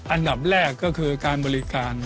อันดับแรกก็คือการบริการ